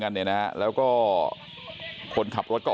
สวัสดีครับทุกคน